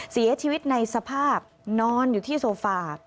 เสียชีวิตในสภาพนอนอยู่ที่โซฟา